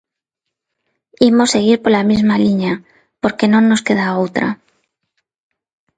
Imos seguir pola mesma liña, porque non nos queda outra.